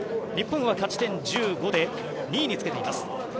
日本は勝ち点１５で２位につけています。